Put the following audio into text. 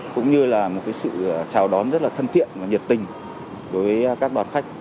cũng như là một sự chào đón rất là thân thiện và nhiệt tình đối với các đoàn khách